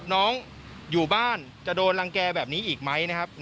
น้องอยู่บ้านจะโดนรังแก่แบบนี้อีกไหมนะครับ